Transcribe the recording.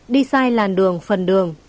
đi sai làn đường phần đường